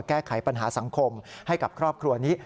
แก้ไขปัญหาสังคมให้กับครอบครัวนี้